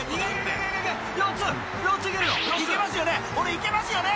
［いけますよね？